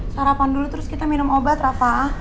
sarapan dulu terus kita minum obat rafa